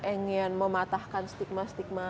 ingin mematahkan stigma stigma